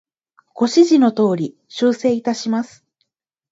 ご指示の通り、修正いたします。